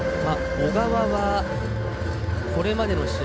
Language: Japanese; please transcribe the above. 小川はこれまでの試合